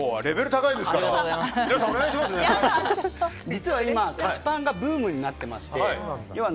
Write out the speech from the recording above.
実は今、菓子パンがブームになっていまして。